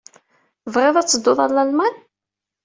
Tebɣiḍ ad tedduḍ ɣer Lalman?